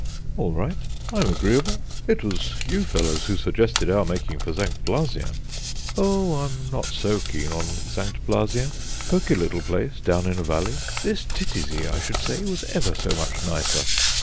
"All right, I'm agreeable. It was you fellows who suggested our making for St. Blasien." "Oh, I'm not so keen on St. Blasien! poky little place, down in a valley. This Titisee, I should say, was ever so much nicer."